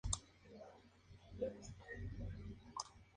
En ocasiones se celebran bodas.